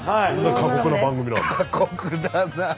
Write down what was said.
過酷だな。